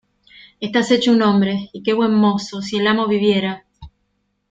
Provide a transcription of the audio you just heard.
¡Estás hecho un hombre! ¡Y qué buen mozo! ¡Si el amo viviera!